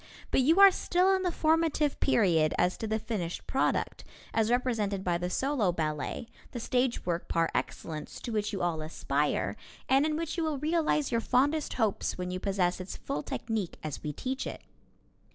But you are still in the formative period as to the finished product, as represented by the solo ballet, the stage work par excellence, to which you all aspire, and in which you will realize your fondest hopes when you possess its full technique as we teach it.